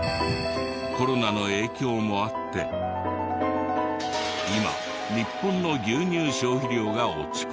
コロナの影響もあって今日本の牛乳消費量が落ち込み。